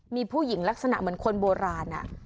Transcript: มีผู้หญิงลักษณะเหมือนคนโบราณ